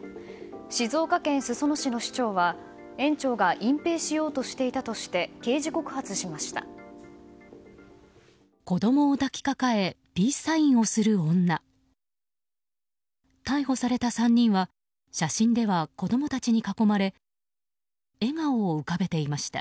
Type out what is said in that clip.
静岡県裾野市の市長は園長が隠ぺいしようとしていたとして刑事告発しました。